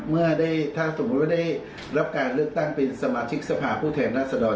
เมื่อได้ถ้าสมมุติว่าได้รับการเลือกตั้งเป็นสมาชิกสภาพผู้แทนรัศดร